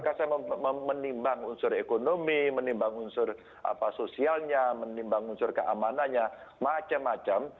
karena saya menimbang unsur ekonomi menimbang unsur apa sosialnya menimbang unsur keamanannya macam macam